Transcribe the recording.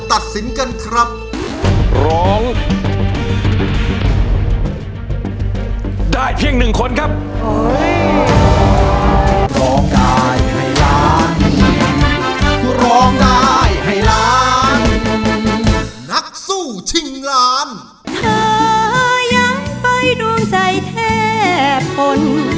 เธอยังไปดวงใจแทบป่น